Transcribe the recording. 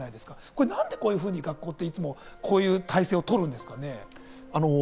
何でこういうふうに学校っていつもこういう体制を取るんですかね？